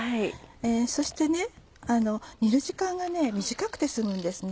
そして煮る時間が短くて済むんですね。